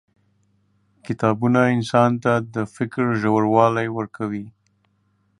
• کتابونه انسان ته د فکر ژوروالی ورکوي.